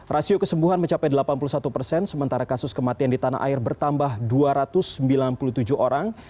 rasio kesembuhan mencapai delapan puluh satu persen sementara kasus kematian di tanah air bertambah dua ratus sembilan puluh tujuh orang